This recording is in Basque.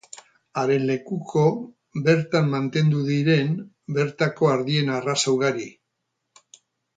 Haren lekuko bertan mantendu diren bertako ardien arraza ugari.